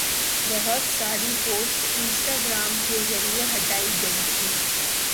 بہت ساری post Instagram کے ذریعہ ہٹائی گئی تھی